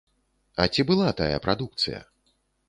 А ці была тая прадукцыя?